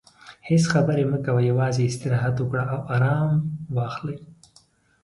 هیڅ خبرې مه کوه، یوازې استراحت وکړه او ارام واخلې.